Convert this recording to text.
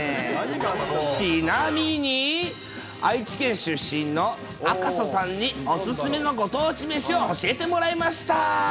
ちなみに、愛知県出身の赤楚さんにおすすめのご当地飯を教えてもらいました。